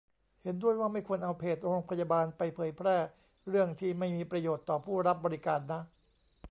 เห็นด้วยว่าไม่ควรเอาเพจโรงพยาบาล ไปเผยแพร่เรื่องที่ไม่มีประโยชน์ต่อผู้รับบริการนะ